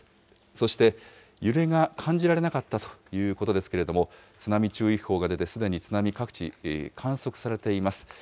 そして揺れが感じられなかったということですけれども、津波注意報が出て、すでに津波、各地、観測されています。